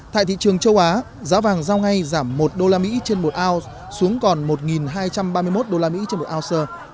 tại thị trường châu á giá vàng giao ngay giảm một usd trên một ounce xuống còn một hai trăm ba mươi một usd trên một ounce